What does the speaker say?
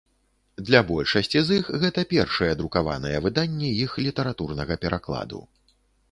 Для большасці з іх гэта першае друкаванае выданне іх літаратурнага перакладу.